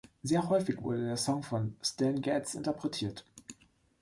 Sehr häufig wurde der Song von Stan Getz interpretiert.